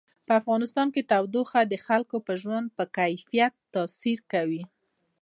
په افغانستان کې تودوخه د خلکو د ژوند په کیفیت تاثیر کوي.